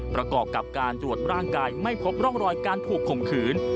ประกอบกับการตรวจร่างกายไม่พบร่องรอยการถูกข่มขืน